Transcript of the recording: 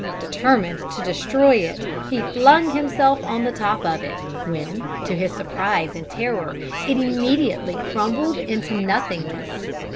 Determined to destroy it, he flung himself on the top of it, when, to his surprise and terror, it immediately crumbled into nothingness.